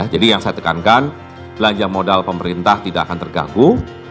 jadi yang saya tekankan belanja modal pemerintah tidak akan terganggu